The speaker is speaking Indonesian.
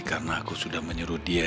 karena aku sudah menyuruh dia